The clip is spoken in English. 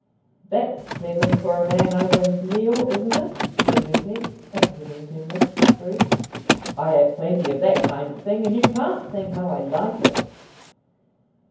"That's pleasant for a man over his meals, isn't it?" said Lupex, appealing to Miss Spruce. "I have plenty of that kind of thing, and you can't think how I like it."